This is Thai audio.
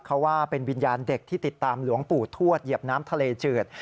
เขาว่าเป็นวิญญาณเด็กที่ติดตามหลวงปู่ทวดเหยียบน้ำทะเลจืด